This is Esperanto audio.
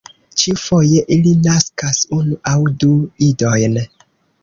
Ĉiufoje ili naskas unu aŭ du idojn.